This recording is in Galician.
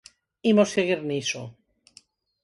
Imos seguir niso.